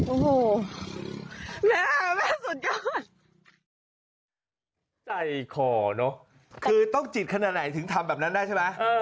โอ้โหแม่แม่สุดยอดใจคอเนอะคือต้องจิตขนาดไหนถึงทำแบบนั้นได้ใช่ไหม